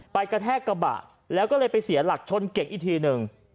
กระแทกกระบะแล้วก็เลยไปเสียหลักชนเก่งอีกทีหนึ่ง